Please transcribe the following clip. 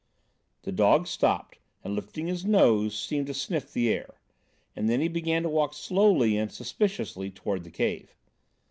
The dog stopped, and, lifting his nose, seemed to sniff the air; and then he began to walk slowly and suspiciously towards the cave.